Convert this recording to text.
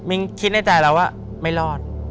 มิงคิดในใจแล้วว่าไม่รอด